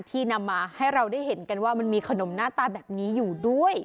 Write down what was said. นำมาให้เราได้เห็นกันว่ามันมีขนมหน้าตาแบบนี้อยู่ด้วย